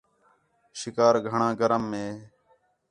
شِکار گھݨاں گرم ہِے